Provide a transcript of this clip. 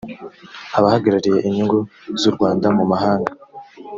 abahagarariye inyungu z’u rwanda mu mahanga